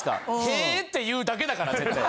「へぇ」って言うだけだから絶対。